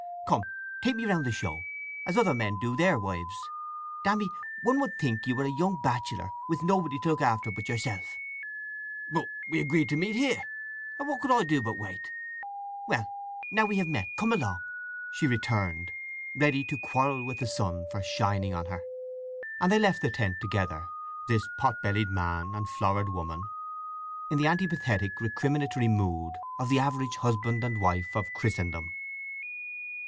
Come, take me round the show, as other men do their wives! Dammy, one would think you were a young bachelor, with nobody to look after but yourself!" "But we agreed to meet here; and what could I do but wait?" "Well, now we have met, come along," she returned, ready to quarrel with the sun for shining on her. And they left the tent together, this pot bellied man and florid woman, in the antipathetic, recriminatory mood of the average husband and wife of Christendom.